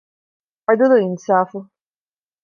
ޢަދުލު އިންޞާފު